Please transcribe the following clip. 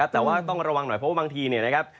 แต่ว่าต้องระวังหน่อยเพราะว่าบางทีเนี่ยนะครับ